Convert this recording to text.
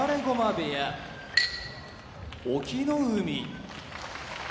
隠岐の海